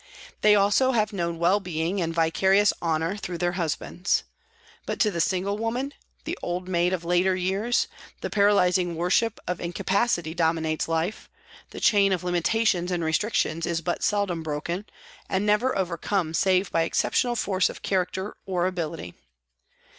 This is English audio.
They also have known well being and vicarious honour through their husbands. But to the single woman, the old maid of later years, the paralysing worship of incapacity dominates life, the chain of limitations and restrictions is but seldom broken, and never overcome save by exceptional force of character or ability.